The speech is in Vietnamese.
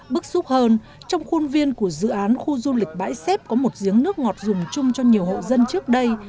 bức xúc hơn trong khuôn viên của dự án khu du lịch bãi xếp có một giếng nước ngọt dùng chung cho nhiều hộ dân trước đây